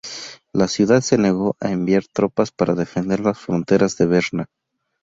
La ciudad se negó a enviar tropas para defender las fronteras de Berna.